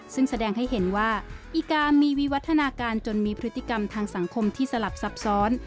ซึ่งแสดงให้เห็นว่าอีกามีวิวัฒนาการจนมีพฤติกรรมทางสังคมที่สลับซับซ้อน